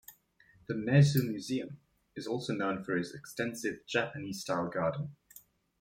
The Nezu Museum is also known for its extensive, Japanese-style garden.